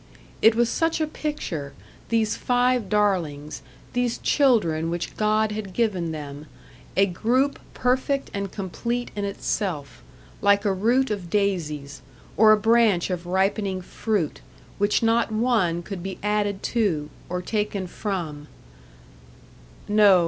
It was such a picture these five darlings, these children which God had given them a group perfect and complete in itself, like a root of daisies, or a branch of ripening fruit, which not one could be added to, or taken from No.